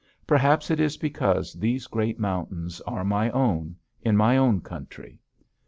Perhaps it is because these great mountains are my own, in my own country.